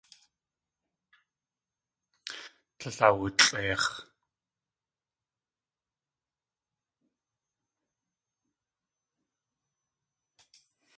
Tlél awulʼeix̲.